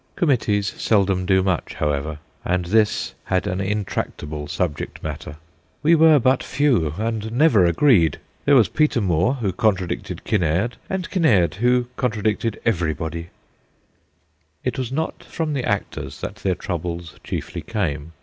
Committees seldom do much, however, and this had an intractable subject matter. ' We were but few, and never agreed ! There was Peter Moore, who contradicted Kinnaird, and Kinnaird, who contradicted everybody/ It was not from the actors that their troubles chiefly came.